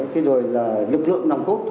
thế rồi là lực lượng nằm cốt